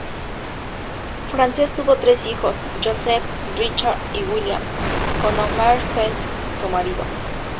Frances tuvo tres hijos Joseph, Richard y William con Homer Spence, su marido.